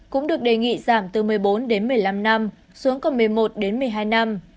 cũng được đề nghị giảm từ một mươi bốn đến một mươi năm năm xuống còn một mươi một đến một mươi hai năm